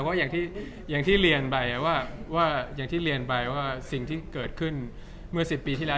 เพราะว่าย่างที่เรียนไปว่าสิ่งที่เกิดขึ้นเมื่อ๑๐ปีที่แล้ว